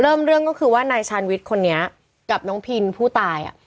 เรื่องเรื่องก็คือว่านายชาญวิทย์คนนี้กับน้องพินผู้ตายอ่ะ